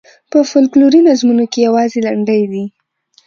په فوکلوري نظمونو کې یوازې لنډۍ دي.